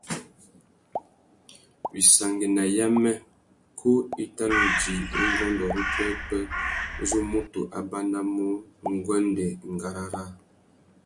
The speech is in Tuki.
Wissangüena yamê, kú i tà nu djï ungôndô râ upwêpwê uzu mutu a banamú nguêndê ngárá râā.